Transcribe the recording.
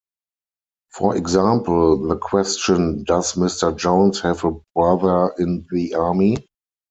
For example, the question Does Mr. Jones have a brother in the army?